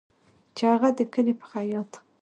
چې هغه د کلي په خیاط